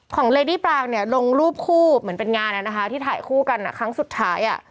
ของเรดี้ปรางเนี่ยลงรูปคู่เหมือนเป็นงานนั้นนะคะที่ถ่ายคู่กันอ่ะครั้งสุดท้ายอ่ะ